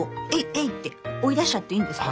エイ！って追い出しちゃっていんですか？